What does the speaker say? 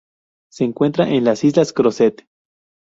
Se encuentra en las Islas Crozet.